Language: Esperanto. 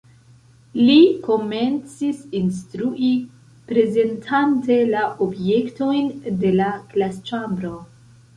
Li komencis instrui prezentante la objektojn de la klasĉambro.